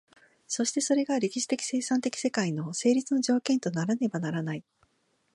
そしてそれが歴史的生産的世界の成立の条件とならねばならない。